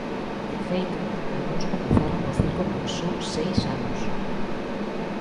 De feito, algúns comezaron no circo con só seis anos.